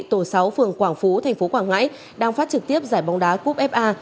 tổ sáu phường quảng phú thành phố quảng ngãi đang phát trực tiếp giải bóng đá cúp fa